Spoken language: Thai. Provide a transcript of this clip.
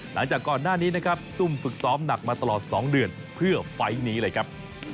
หลังจากก่อนหน้านี้นะครับซุ่มฝึกซ้อมหนักมาตลอด๒เดือนเพื่อไฟล์นี้เลยครับ